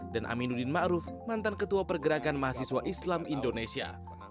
dan aminuddin ma'ruf mantan ketua pergerakan mahasiswa islam indonesia